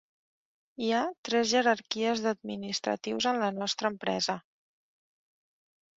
Hi ha tres jerarquies d'administratius en la nostra empresa.